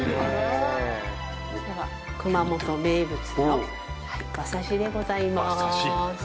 では、熊本名物の馬刺しでございます。